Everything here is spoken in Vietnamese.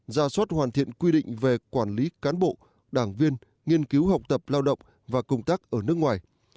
ra soát hoàn thiện quy định về quản lý cán bộ đảng viên nghiên cứu học tập lao động và công tác ở nước ngoài